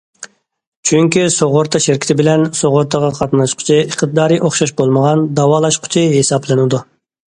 چۈنكى سۇغۇرتا شىركىتى بىلەن سۇغۇرتىغا قاتناشقۇچى ئىقتىدارى ئوخشاش بولمىغان دەۋالاشقۇچى ھېسابلىنىدۇ.